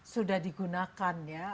sudah digunakan ya